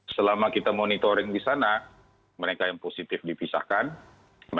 selama kita monitoring di sana mereka yang positif dipisahkan mereka yang tidak positif